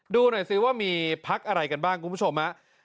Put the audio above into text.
ดูหน่อยซิว่ามีพักอะไรกันบ้างคุณผู้ชมฮะ